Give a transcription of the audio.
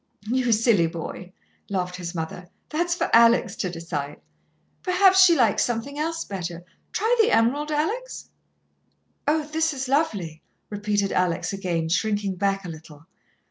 "You silly boy," laughed his mother, "that's for Alex to decide. Perhaps she likes something else better. Try the emerald, Alex?" "Oh, this is lovely," repeated Alex again, shrinking back a little.